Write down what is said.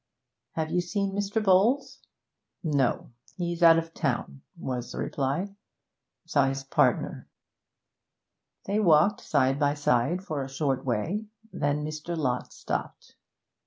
'Have you seen Mr. Bowles?' 'No; he's out of town,' was the reply. 'Saw his partner.' They walked side by side for a short way, then Mr. Lott stopped.